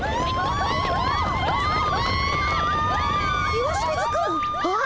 石清水くんあっ！